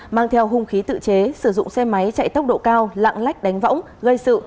mang theo hung khí tự chế sử dụng xe máy chạy tốc độ cao lạng lách đánh võng gây sự